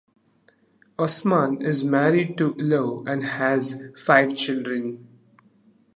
Osman is married to Ilo and has five children.